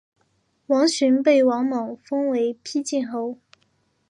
王寻被王莽封为丕进侯。